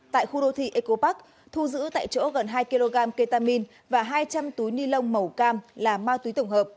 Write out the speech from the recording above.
tại khu đô thị eco park thu giữ tại chỗ gần hai kg ketamine và hai trăm linh túi ni lông màu cam là ma túy tổng hợp